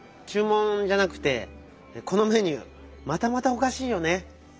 ちゅう文じゃなくてこのメニューまたまたおかしいよね？